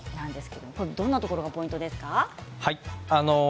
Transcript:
どんなところがポイントですか？